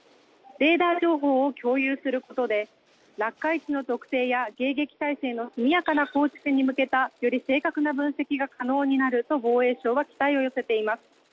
レーダー情報を共有することで落下位置の特定や迎撃態勢の速やかな構築に向けたより正確な分析が可能になると防衛省は期待を寄せています。